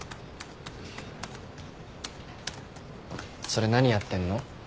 それ何やってんの？